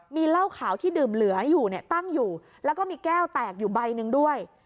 มีเหล้าขาวที่ดื่มเหลืออยู่เนี่ยตั้งอยู่แล้วก็มีแก้วแตกอยู่ใบหนึ่งด้วย